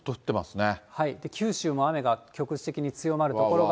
九州も雨が局地的に強まる所